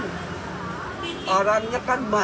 kalau dulu kan dikerenakan kalau dulu kan dikerenakan